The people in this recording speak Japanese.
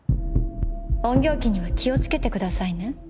隠形鬼には気を付けてくださいね。